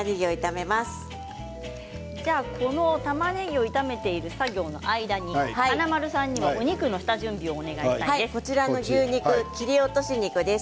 たまねぎを炒めている作業の間に華丸さんには牛肉の切り落とし肉です。